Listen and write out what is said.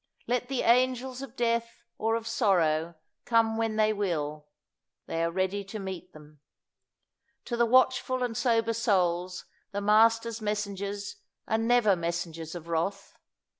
Let the angels of death or of sorrow come when they will, they are ready to meet them. To the watchful and sober souls the Master's messengers are never messengers of wrath.